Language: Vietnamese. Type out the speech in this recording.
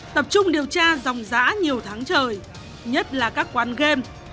tập trung điều tra dòng giã nhiều tháng trời nhất là các quán game